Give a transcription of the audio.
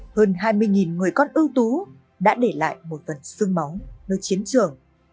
hơn hai mươi người con ưu tú đã để lại một phần sương máu nơi chiến trường